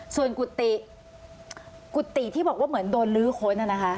ส่วนกุฏิกุฏิที่บอกว่าเหมือนโดนลื้อค้น